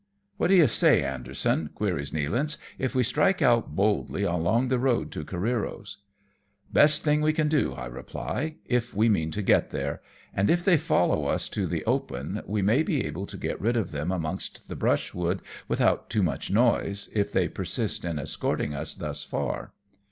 " What do you say, Anderson," queries Nealance, '' if we strike out boldly along the road to Careero's ?"" Best thing we can do," I reply, " if we mean to get there ; and if they follow us to the open, we may be able to get rid of them amongst the brushwood without too much noise, if they persist in escorting us thus far."